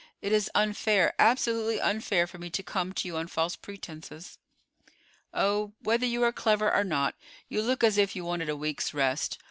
It is unfair, absolutely unfair, for me to come to you on false pretenses." "Oh, whether you are clever or not, you look as if you wanted a week's rest.